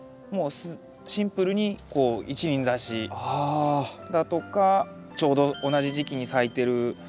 もうシンプルに一輪挿しだとかちょうど同じ時期に咲いてる。